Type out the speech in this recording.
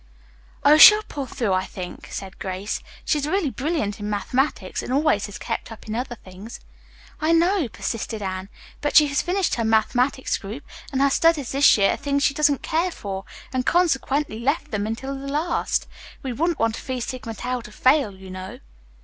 "Oh, she'll pull through, I think," said Grace. "She is really brilliant in mathematics, and always has kept up in other things." "I know," persisted Anne, "but she has finished her mathematics' group, and her studies this year are things she doesn't care for, and consequently left them until the last. We wouldn't want a Phi Sigma Tau to fail, you know."